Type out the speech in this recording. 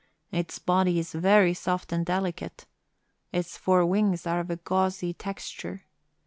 Its body is very soft and delicate. Its four wings are of a gauzy texture.